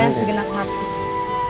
jangan segenap hati